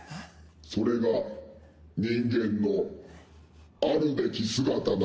それが人間のあるべき姿なのだ。